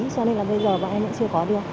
cho nên là bây giờ bạn em cũng chưa có được